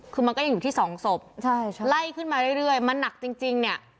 คือมันก็ยังอยู่ที่สองศพใช่ใช่ไล่ขึ้นมาเรื่อยมันหนักจริงจริงเนี่ย